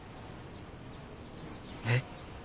えっ？